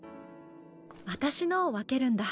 私のを分けるんだ。